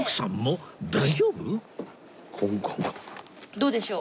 どうでしょう？